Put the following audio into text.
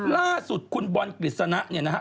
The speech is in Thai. ล่าสุดคุณบอลกฤษณะเนี่ยนะฮะ